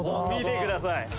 「見てください」